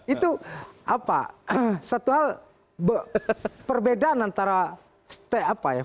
itu apa satu hal perbedaan antara apa ya